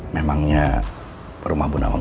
memangnya rumah bunawang